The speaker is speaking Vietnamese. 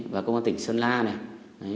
và công an tỉnh sơn la này